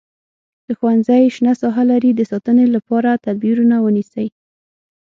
که ښوونځی شنه ساحه لري د ساتنې لپاره تدبیرونه ونیسئ.